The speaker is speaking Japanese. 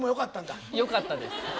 よかったです。